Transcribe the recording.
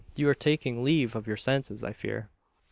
you're taking leave of your senses, I fear."